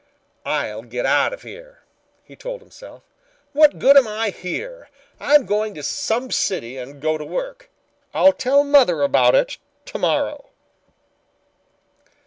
"I'll get out of here," he told himself. "What good am I here? I'm going to some city and go to work. I'll tell mother about it tomorrow."